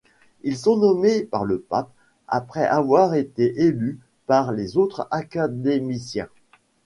Ils sont nommés par le pape après avoir été élu par les autres Académiciens.